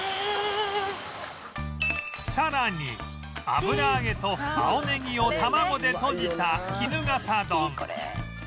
さらに油揚げと青ネギを卵でとじた衣笠丼